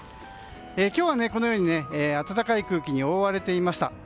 今日はこのように暖かい空気に覆われていました。